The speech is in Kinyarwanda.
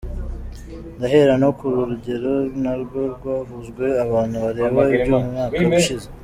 Ndahera no ku rugero na rwo rwavuzwe, abantu bareba iby’umwaka ushyize.